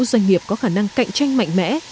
doanh nghiệp có khả năng cạnh tranh mạnh mẽ